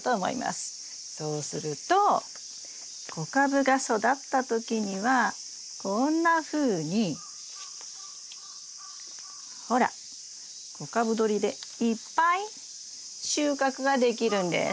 そうすると小株が育った時にはこんなふうにほら小株どりでいっぱい収穫ができるんです。